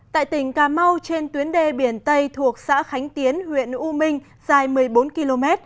tại tỉnh cà mau trên tuyến đê biển tây thuộc xã khánh tiến huyện u minh dài một mươi bốn km